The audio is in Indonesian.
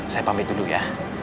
saya pamit dulu ya